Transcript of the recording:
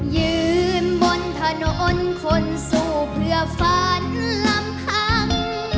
ยืนบนถนนคนสู้เพื่อฝันลำพัง